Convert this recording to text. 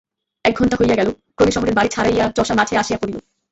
এক ঘণ্টা হইয়া গেল, ক্রমে শহরের বাড়ি ছাড়াইয়া চষা মাঠে আসিয়া পড়িল।